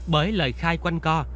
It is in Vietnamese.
bởi lời khai quanh co